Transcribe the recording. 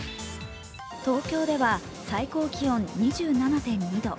東京では最高気温２７．２度。